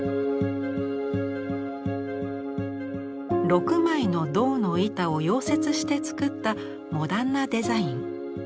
６枚の銅の板を溶接して作ったモダンなデザイン。